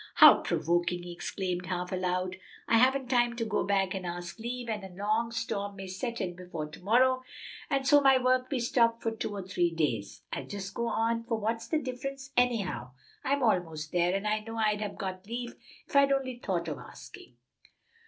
"How provoking!" he exclaimed half aloud. "I haven't time to go back and ask leave, and a long storm may set in before to morrow, and so my work be stopped for two or three days. I'll just go on, for what's the difference, anyhow? I'm almost there, and I know I'd have got leave if I'd only thought of asking."